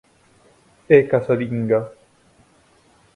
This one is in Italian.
È casalinga.